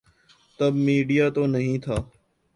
تب میڈیا تو نہیں تھا۔